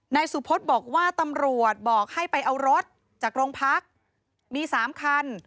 นายสุพธบอกว่าตำรวจบอกให้ไปเอารถจากโรงพักมี๓คัน